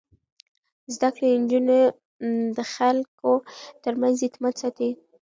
زده کړې نجونې د خلکو ترمنځ اعتماد ساتي.